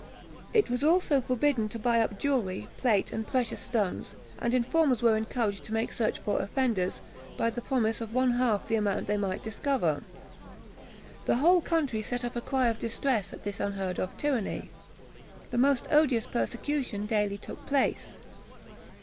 It was also forbidden to buy up jewellery, plate, and precious stones, and informers were encouraged to make search for offenders, by the promise of one half the amount they might discover. The whole country sent up a cry of distress at this unheard of tyranny. The most odious persecution daily took place.